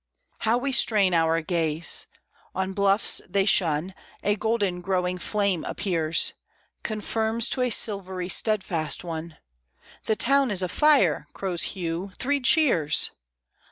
How we strain our gaze. On bluffs they shun A golden growing flame appears Confirms to a silvery steadfast one: "The town is afire!" crows Hugh; "three cheers!"